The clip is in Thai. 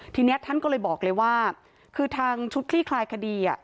ทีนี้ท่านก็เลยบอกเลยว่าคือทางชุดคลี่คลายคดี